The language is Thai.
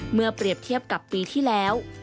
เมื่อเปรียบเทียบกับปีที่แล้ว